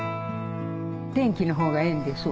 天気のほうがええんです。